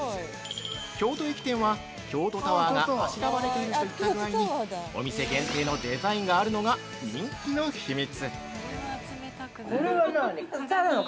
京都駅店は、京都タワーがあしらわれているといった具合にお店限定のデザインがあるのが人気の秘密！